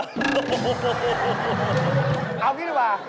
เอาอย่างนี้ดีกว่า